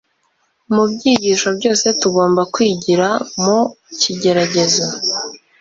Mu byigisho byose tugomba kwigira mu kigeragezo